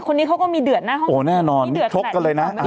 คนนี้เขาก็มีเดือดห้องมือรู้นี่น่ะมีเดือดแสดกอ๋อแน่นอน